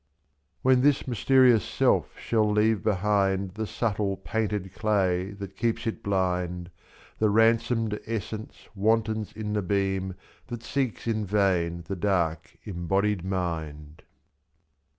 66 When this mysterious self shall leave behind The subtle painted clay that keeps it blind, i^^The ransomed essence wantons in the beam That seeks in vain the dark embodied mind.